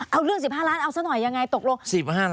เอาเรื่อง๑๕ล้านเอาซะหน่อยยังไงตกลง